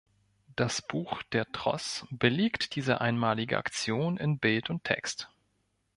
Das Buch „Der Tross“ belegt diese einmalige Aktion in Bild und Text.